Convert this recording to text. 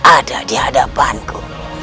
ada di hadapanku